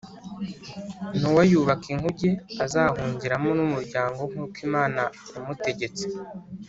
Nowa yubaka inkuge azahungiramo n’umuryango nkuko Imana yamutegetse